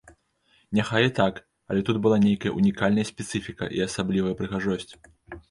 Няхай і так, але тут была нейкая ўнікальная спецыфіка і асаблівая прыгажосць.